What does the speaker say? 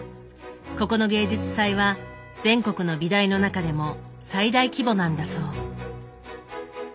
ここの芸術祭は全国の美大の中でも最大規模なんだそう。